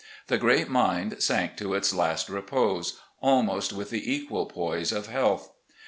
The great mind sank to its last repose, almost with the equal poise of health.